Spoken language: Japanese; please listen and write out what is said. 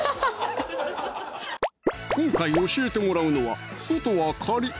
今回教えてもらうのは外はカリッ！